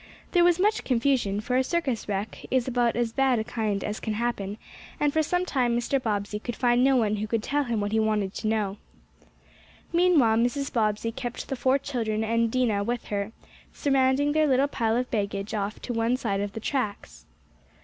There was much confusion, for a circus wreck is about as bad a kind as can happen, and for some time Mr. Bobbsey could find no one who could tell him what he wanted to know. Meanwhile Mrs. Bobbsey kept the four children and Dinah with her, surrounding their little pile of baggage off to one side of The tracks.